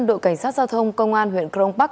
đội cảnh sát giao thông công an huyện crong park